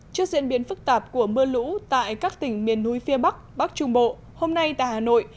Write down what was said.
trước diễn biến phức tạp của mưa lũ tại các tỉnh miền núi phía bắc bắc trung bộ hôm nay tại hà nội